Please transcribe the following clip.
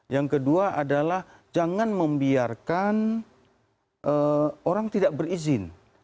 yang kedua adalah jangan membiarkan orang tidak berizin